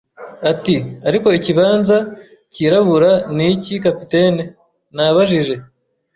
Ati: "Ariko ikibanza cyirabura ni iki, capitaine?" Nabajije